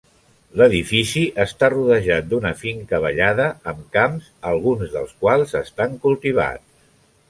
L’edifici està rodejat d’una finca ballada, amb camps alguns dels quals estan cultivats.